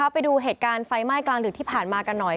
ไปดูเหตุการณ์ไฟไหม้กลางดึกที่ผ่านมากันหน่อย